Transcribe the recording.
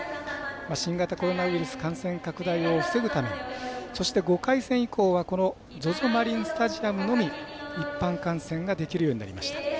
新型コロナウイルス感染拡大を防ぐためにそして５回戦以降はＺＯＺＯマリンスタジアムのみ一般観戦ができるようになりました。